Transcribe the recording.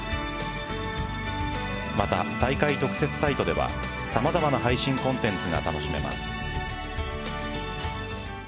また、大会特設サイトではさまざまな配信コンテンツが楽しめます。